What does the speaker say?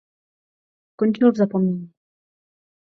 Skončil v zapomnění.